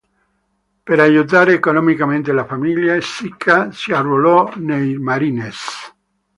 Per aiutare economicamente la famiglia, Sika si arruolò nei Marines.